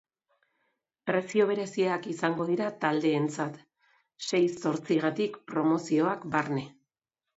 Prezio bereziak izango dira taldeentzat, sei zortzigatik promozioak barne.